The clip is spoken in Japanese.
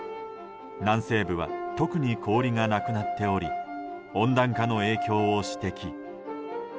南西部は特に氷がなくなっており温暖化の影響を指摘。